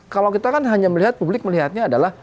kalau kita kan hanya melihat publik melihatnya adalah